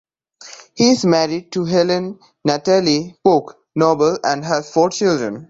He is married to Helen Natalie Pugh Noble and has four children.